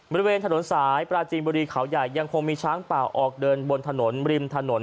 บริเวณถนนสายปราจีนบุรีเขาใหญ่ยังคงมีช้างป่าออกเดินบนถนนริมถนน